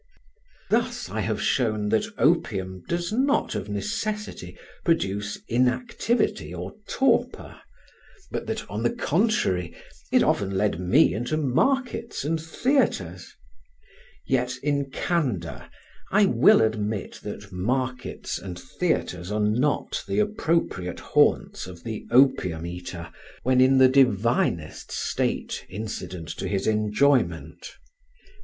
Thus I have shown that opium does not of necessity produce inactivity or torpor, but that, on the contrary, it often led me into markets and theatres. Yet, in candour, I will admit that markets and theatres are not the appropriate haunts of the opium eater when in the divinest state incident to his enjoyment.